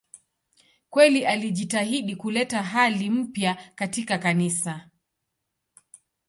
Kweli alijitahidi kuleta hali mpya katika Kanisa.